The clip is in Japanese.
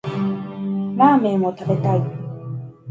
ラーメンを食べたい。